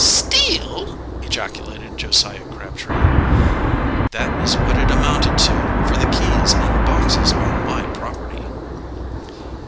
"Steal!" ejaculated Josiah Crabtree. "That is what it amounted to, for the keys, and boxes are my property."